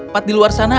pad di luar sana